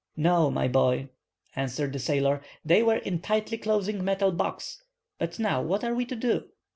"No, my boy," answered the sailor. "They were in a tightly closing metal box. But now, what are we to do?"